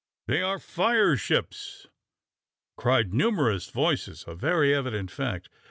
"They are fire ships," cried numerous voices a very evident fact.